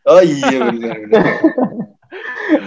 oh iya bener bener